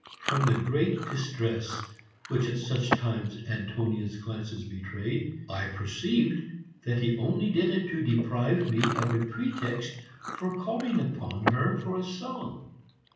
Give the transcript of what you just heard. From the great distress which at such times Antonia's glances betrayed, I perceived that he only did it to deprive me of a pretext for calling upon her for a song.